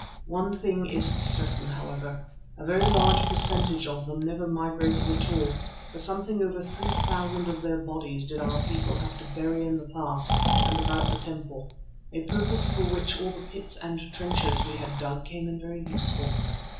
One thing is certain, however, a very large percentage of them never migrated at all, for something over three thousand of their bodies did our people have to bury in the pass and about the temple, a purpose for which all the pits and trenches we had dug came in very useful.